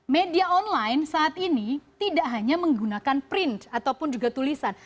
media online saat ini tidak hanya menggunakan print ataupun juga tulisan